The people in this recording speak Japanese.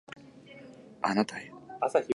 あなたへ